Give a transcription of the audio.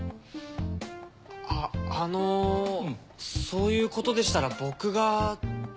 ああのそういうことでしたら僕が。